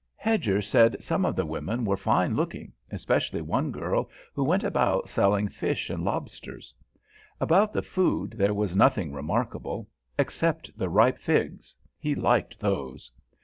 Hedger said some of the women were fine looking, especially one girl who went about selling fish and lobsters. About the food there was nothing remarkable, except the ripe figs, he liked those.